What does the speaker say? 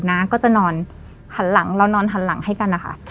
น้าก็จะนอนหันหลังเรานอนหันหลังให้กันนะคะ